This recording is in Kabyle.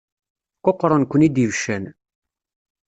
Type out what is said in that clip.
Quqṛen-ken-id ibeccan.